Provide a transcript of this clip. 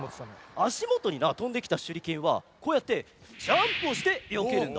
あしもとになとんできたしゅりけんはこうやってジャンプをしてよけるんだ。